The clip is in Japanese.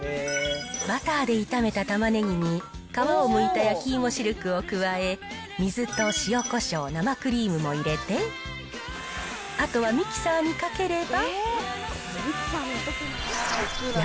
バターで炒めたタマネギに、皮をむいた焼き芋しるくを加え、水と塩コショウ、生クリームも入れて、あとはミキサーにかければ。